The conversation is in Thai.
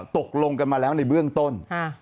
ตกลงกันมาแล้วในเบื้องต้น